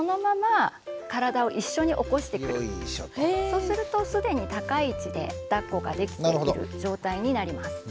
そうすると既に高い位置でだっこができている状態になります。